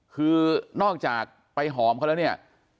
คือนอกจากไปหอมเขาแล้วเนี่ย